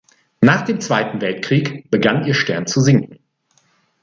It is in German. Nach dem Zweiten Weltkrieg begann ihr Stern zu sinken.